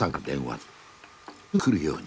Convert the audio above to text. すぐ来るように。